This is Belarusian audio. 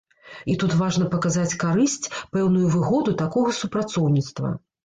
І тут важна паказаць карысць, пэўную выгоду такога супрацоўніцтва.